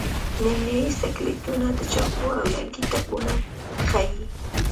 نیمایي سکلیټونه د چاقو او لرګي ټپونه ښيي.